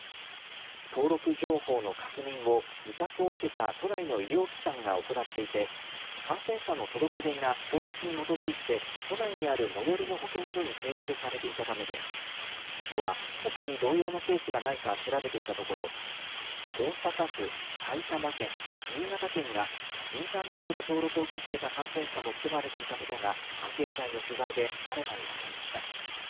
登録情報の確認を委託を受けた都内の医療機関が行っていて、感染者の届け出が法律に基づいて都内にある最寄りの保健所に提出されていたためで、都はほかに同様のケースがないか調べていたところ、大阪府、埼玉県、新潟県が、インターネットで登録を受け付けた感染者も含まれていたことが、関係者への取材で新たに分かりました。